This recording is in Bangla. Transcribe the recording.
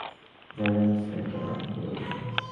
যা জানতে চাই তা আমাকে বলবে।